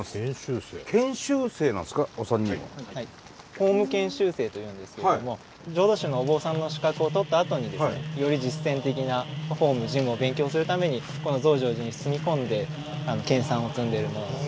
法務研修生と言うんですけれども浄土宗のお坊さんの資格を取ったあとにですねより実践的な法務事務を勉強するためにこの増上寺に住み込んで研さんを積んでいる者です。